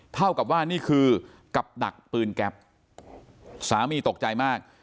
เท่ากับว่านี่คือกับดักปืนแก๊ปสามีตกใจมาก